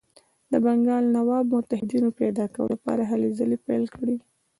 د بنګال نواب متحدینو پیدا کولو لپاره هلې ځلې پیل کړې.